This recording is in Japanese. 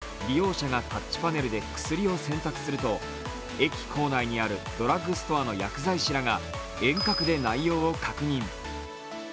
現在は試験販売ですが、利用者がタッチパネルで薬を選択すると駅構内にあるドラッグストアの薬剤師らが遠隔で内容を確認。